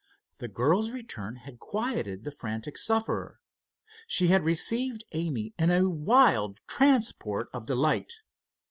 The girl's return had quieted the frantic sufferer. She had received Amy in a wild transport of delight.